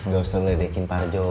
gausah ngeledekin pak arjo